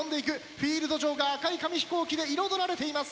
フィールド上が赤い飛行機で彩られています。